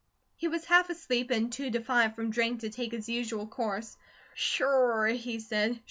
He was half asleep, and too defiant from drink to take his usual course. "Sure!" he said.